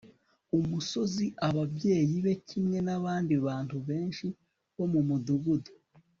umusozi. ababyeyi be, kimwe nabandi bantu benshi bo mu mudugudu